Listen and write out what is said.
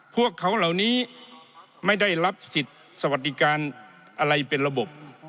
พวกเขาเหล่านี้ไม่ได้รับสิทธิ์สวัสดิการอะไรเป็นระบบ